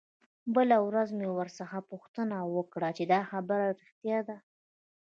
بله ورځ مې ورڅخه پوښتنه وکړه چې دا خبره رښتيا ده.